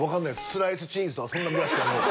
スライスチーズとかそんなぐらいしかもう。